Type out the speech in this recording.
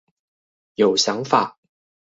有想法